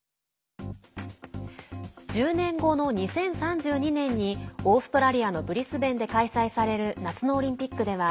１０年後の２０３２年にオーストラリアのブリスベンで開催される夏のオリンピックでは